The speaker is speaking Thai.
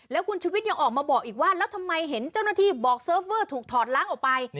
แล้วคุณชุวิตยังออกมาบอกอีกว่าแล้วทำไมเห็นเจ้าหน้าที่บอกเซิร์ฟเวอร์ถูกถอดล้างออกไป